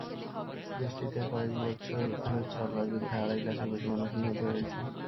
দেশটিতে কয়েক বছর ধরে চলা যুদ্ধে আড়াই লাখের বেশি মানুষ নিহত হয়েছে।